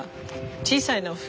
小さいの船。